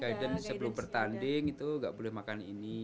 guidance sebelum pertanding itu gak boleh makan ini